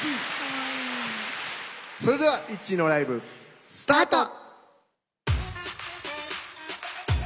それでは ＩＴＺＹ のライブ、スタート！